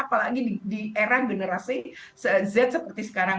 apalagi di era generasi z seperti sekarang